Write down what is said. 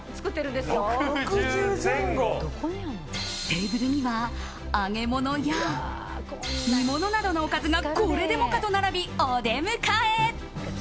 テーブルには揚げ物や煮物などのおかずがこれでもかと並び、お出迎え！